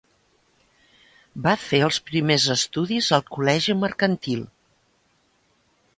Va fer els primers estudis al Col·legi Mercantil.